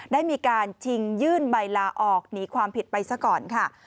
ได้มีการชิงยื่นใบลาออกหนีความผิดไปซะก่อนค่ะ